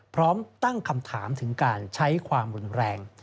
พร้อมตั้งคำถามถึงการใช้ความรุนแรง